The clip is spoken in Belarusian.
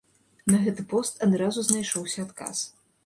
На гэты пост адразу знайшоўся адказ.